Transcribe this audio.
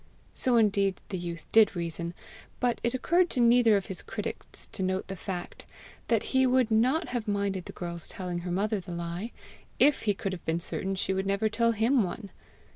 So indeed the youth did reason; but it occurred to neither of his critics to note the fact that he would not have minded the girl's telling her mother the lie, if he could have been certain she would never tell HIM one!